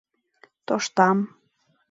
— Тоштам!